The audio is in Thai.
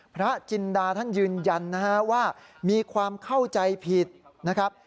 พระจินดาท่านยืนยันนะฮะว่ามีความเข้าใจผิดนะครับ